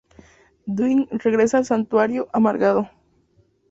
Dwight regresa al Santuario, amargado.